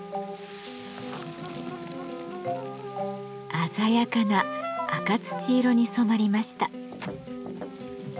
鮮やかな赤土色に染まりました。